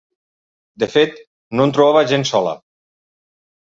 De fet no em trobava gens sola.